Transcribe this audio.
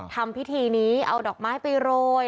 ทำพิธีนี้เอาดอกไม้ไปโรย